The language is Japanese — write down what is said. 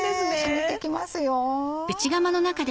染みてきますよ！